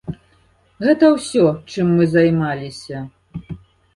Гэта ўсё, чым мы займаліся.